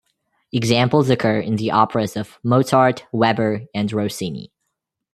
Examples occur in the operas of Mozart, Weber, and Rossini.